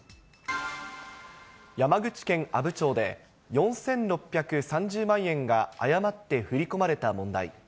山口県阿武町で、４６３０万円が誤って振り込まれた問題。